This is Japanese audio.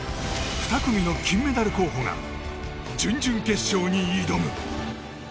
２組の金メダル候補が準々決勝に挑む。